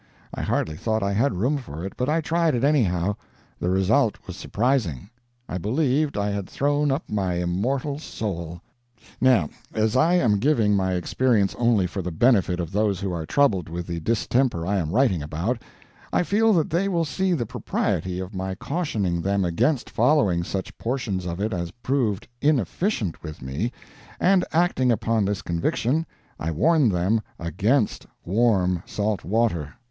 I hardly thought I had room for it, but I tried it anyhow. The result was surprising. I believed I had thrown up my immortal soul. Now, as I am giving my experience only for the benefit of those who are troubled with the distemper I am writing about, I feel that they will see the propriety of my cautioning them against following such portions of it as proved inefficient with me, and acting upon this conviction, I warn them against warm salt water.